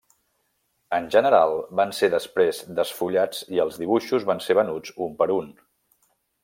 En general van ser després desfullat i els dibuixos van ser venuts un per un.